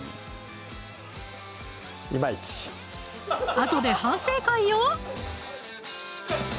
あとで反省会よ！